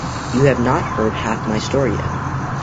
You have not heard half my story yet!